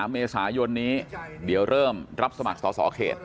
เมษายนนี้เดี๋ยวเริ่มรับสมัครสอสอเขต